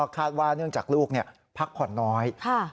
คาดว่าเนื่องจากลูกพักผ่อนน้อย